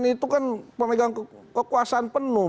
itu kan pemegang kekuasaan penuh